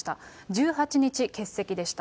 １８日、欠席でした。